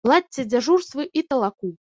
Ладзьце дзяжурствы і талаку.